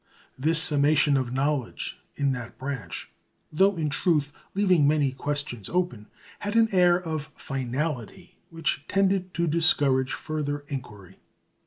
This summation of knowledge in that branch, though in truth leaving many questions open, had an air of finality which tended to discourage further inquiry.